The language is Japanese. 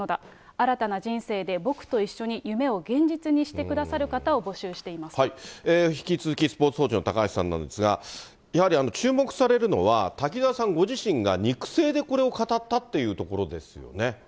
新たな人生で僕と一緒に夢を現実にしてくださる方を募集していま引き続き、スポーツ報知の高橋さんなんですが、やはり注目されるのは、滝沢さんご自身が肉声でこれを語ったっていうところですよね。